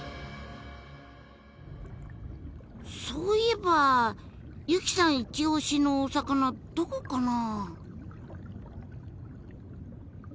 そういえば由起さんいち押しのお魚どこかな？